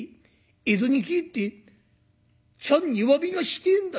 江戸に帰って父に詫びがしてえんだ。